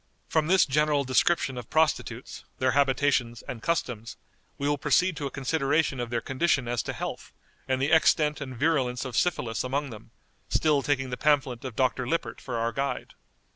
From this general description of prostitutes, their habitations, and customs, we will proceed to a consideration of their condition as to health, and the extent and virulence of syphilis among them, still taking the pamphlet of Dr. Lippert for our guide.